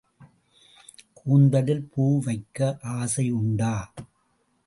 கூந்தலில் பூ வைக்க ஆசை உண்டா?